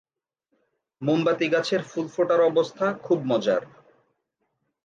মোমবাতি গাছের ফুল ফোটার অবস্থা খুব মজার।